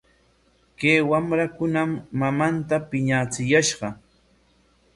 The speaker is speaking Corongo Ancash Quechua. Kay wamrakunam mamanta piñachiyashqa.